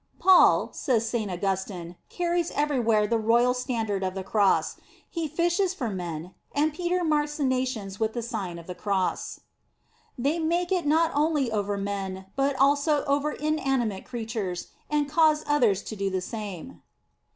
"Paul," says Saint Augustin, "carries everywhere the royal standard of the Cross. He fishes for men, and Peter marks the nations with the Sign of the Cross. "f They make it not only over men, tut also over inanimate creatures, and cause others to do the same.